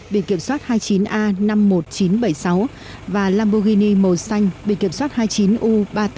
biệt kiểm soát hai mươi chín a năm mươi một nghìn chín trăm bảy mươi sáu và lamborghini màu xanh biệt kiểm soát hai mươi chín u ba nghìn tám trăm một mươi bảy